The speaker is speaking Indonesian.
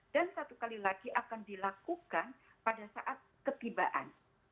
dan satu kali lagi akan dilakukan pada saat ketibaan